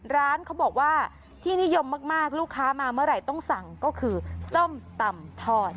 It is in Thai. ร้านเขาบอกว่าที่นิยมมากลูกค้ามาเมื่อไหร่ต้องสั่งก็คือส้มตำทอด